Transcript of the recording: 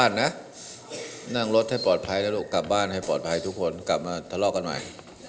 น้ำรถให้ปลอดภัยแล้วลูกกลับบ้านให้ปลอดภัยทุกคนกลับมาถรอกกันใหม่